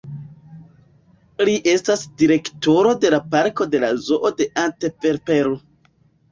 Li estas direktoro de la parko de la Zoo de Antverpeno.